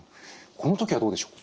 この時はどうでしょう。